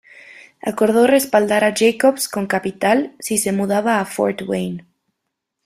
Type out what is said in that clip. Acordó respaldar a Jacobs con capital, si se mudaba a Fort Wayne.